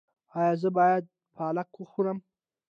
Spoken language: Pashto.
ایا زه باید پالک وخورم؟